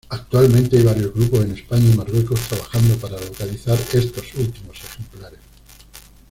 Actualmente hay varios grupos en España y Marruecos trabajando para localizar estos últimos ejemplares.